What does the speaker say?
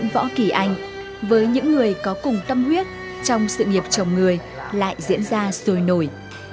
với những người có cùng tâm huyết trong sự nghiệp chồng người lại diễn ra sôi nổi